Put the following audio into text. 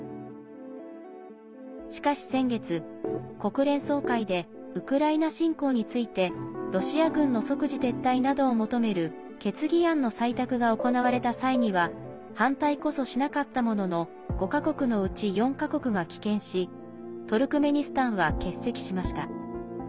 しかし先月、国連総会でウクライナ侵攻についてロシア軍の即時撤退などを求める決議案の採択が行われた際には反対こそしなかったものの５か国のうち４か国が棄権しトルクメニスタンは欠席しました。